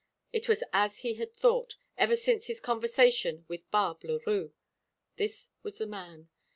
It was as he had thought, ever since his conversation with Barbe Leroux. This was the man.